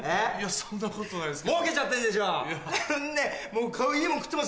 そんなことないですけど。